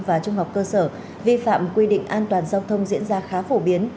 và trung học cơ sở vi phạm quy định an toàn giao thông diễn ra khá phổ biến